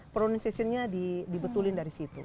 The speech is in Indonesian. prunisation nya dibetulin dari situ